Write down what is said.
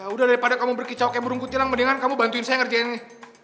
udah daripada kamu berkicau kaya burung kutilang mendingan kamu bantuin saya ngerjain ini